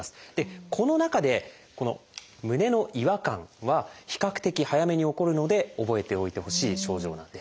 この中で胸の違和感は比較的早めに起こるので覚えておいてほしい症状です。